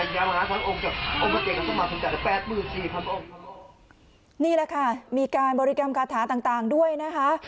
นี่แหละค่ะมีการบริกรรมคาถาต่างด้วยนะคะ